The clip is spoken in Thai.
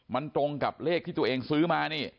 มันตรงกับเลขที่ตัวเองซื้อมานี่